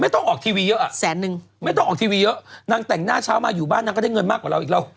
ต้องออกทีวีเยอะอ่ะแสนนึงไม่ต้องออกทีวีเยอะนางแต่งหน้าเช้ามาอยู่บ้านนางก็ได้เงินมากกว่าเราอีกแล้ว